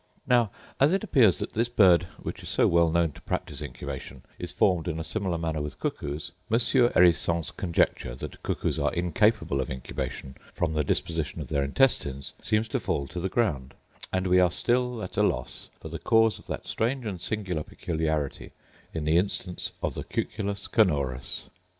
Now as it appears that this bird, which is so well known to practice incubation, is formed in a similar manner with cuckoos, Monsieur Herissant's conjecture, that cuckoos are incapable of incubation from the disposition of their intestines, seems to fall to the ground: and we are still at a loss for the cause of that strange and singular peculiarity in the instance of the cuculus canorus.